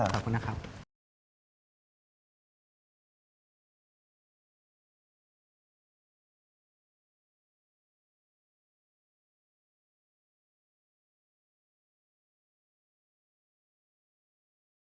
ขอบคุณนะครับ